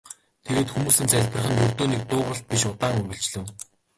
Тэгээд хүмүүсийн залбирах нь ердийн нэг дуугаралт биш удаан үргэлжлэв.